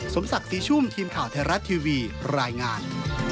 สมศักดิ์ศรีชุ่มทีมข่าวไทยรัฐทีวีรายงาน